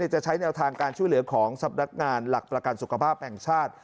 จะใช้แนวทางการช่วยเหลือของสำนักงานหลักประกันสุขภาพแห่งชาติ